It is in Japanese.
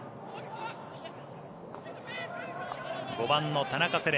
５番の田中世蓮